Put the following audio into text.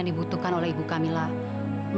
ataupun mau ketemu sama aku